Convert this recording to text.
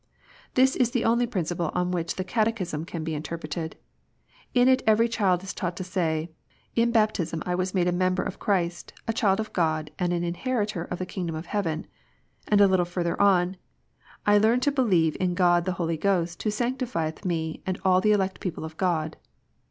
This is the only principle on which the Catechism can be interpreted. In it every child is taught to say, " In baptism I was made a member of Christ, a child of God, and an inheritor of the kingdom of heaven ;" and a little further on, " I learn to believe in God the Holy Ghost who sanctifieth me and all the elect people of God."